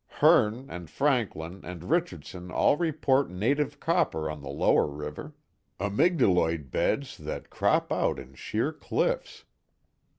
Hearne, and Franklin, and Richardson all report native copper on the lower river amygdaloid beds that crop out in sheer cliffs.